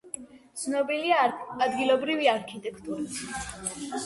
ცნობილია ადგილობრივი არქიტექტურით.